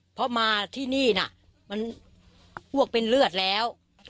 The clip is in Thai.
เพราะมาที่นี่น่ะมันอ้วกเป็นเลือดแล้ว